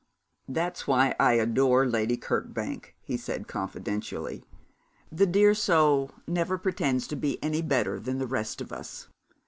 'That's why I adore Lady Kirkbank,' he said, confidentially. 'The dear soul never pretends to be any better than the rest of us.